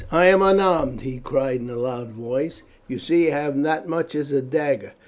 "I am unarmed," he cried in a loud voice. "You see I have not as much as a dagger."